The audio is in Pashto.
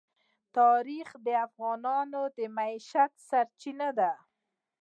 تاریخ د افغانانو د معیشت سرچینه ده.